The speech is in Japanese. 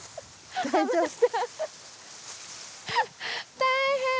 大変。